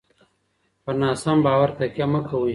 پر ناسم باور تکیه مه کوئ.